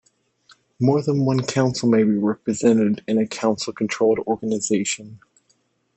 More than one council may be represented in a council-controlled organisation.